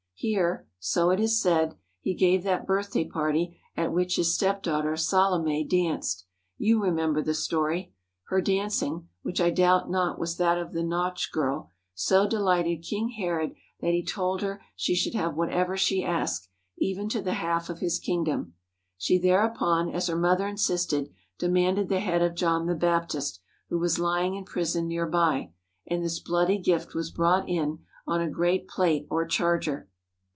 Here, so it is said, he gave that birthday party at which his stepdaughter Salome danced. You remember the story. Her dancing, which I doubt not was that of the nautch girl, so delighted King Herod that he told her she should have whatever she asked, even to the half of his kingdom. She thereupon, as her mother insisted, de manded the head of John the Baptist, who was lying in prison near by, and this bloody gift was brought in on a great plate or charger.